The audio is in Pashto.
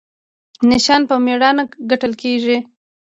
نشان په میړانه ګټل کیږي